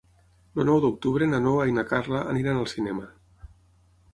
El nou d'octubre na Noa i na Carla aniran al cinema.